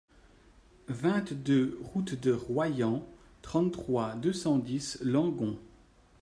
vingt-deux route de Roaillan, trente-trois, deux cent dix, Langon